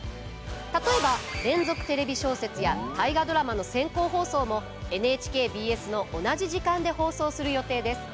例えば「連続テレビ小説」や「大河ドラマ」の先行放送もＮＨＫＢＳの同じ時間で放送する予定です。